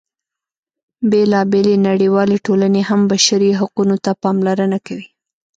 بېلا بېلې نړیوالې ټولنې هم بشري حقونو ته پاملرنه کوي.